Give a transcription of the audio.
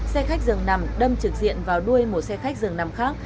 xe khách dường nằm đâm trực diện vào đuôi một xe khách dường nằm khác